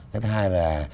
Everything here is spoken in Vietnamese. cái thứ hai là